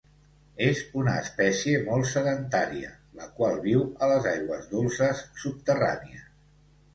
És una espècie molt sedentària, la qual viu a les aigües dolces subterrànies.